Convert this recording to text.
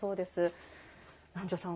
南條さん